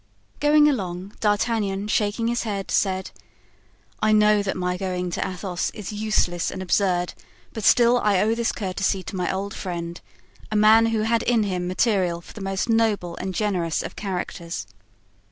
Going along, D'Artagnan, shaking his head, said: "I know that my going to Athos is useless and absurd; but still I owe this courtesy to my old friend, a man who had in him material for the most noble and generous of characters."